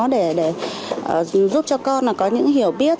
để giúp cho con có những hiểu biết